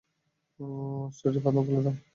উষ্ট্রটির বাঁধন খুলে দাও।